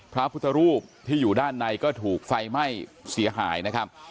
พระพุทธรูปที่อยู่ด้านในก็ถูกไฟไหม้เสียหายนะครับ